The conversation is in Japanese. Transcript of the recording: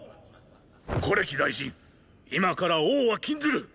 虎歴大臣今から“王”は禁ずる！